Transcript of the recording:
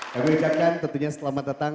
kami ucapkan tentunya selamat datang